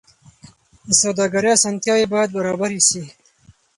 د سوداګرۍ اسانتیاوې باید برابرې شي.